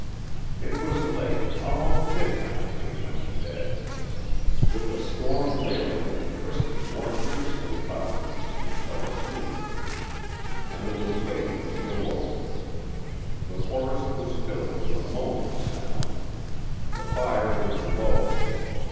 It was late, almost midnight, when he went to bed. With the storm wailing and twisting more fiercely about him, he fell asleep. And it was late when he awoke. The forest was filled with a moaning sound. The fire was low.